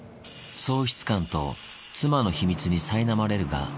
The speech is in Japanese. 喪失感と妻の秘密にさいなまれるが。